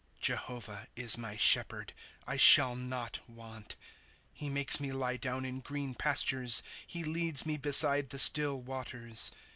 ^ Jehotah is my shepherd, I shall not want. * He makes me lie down in green pastures ; He leads me beside the still waters.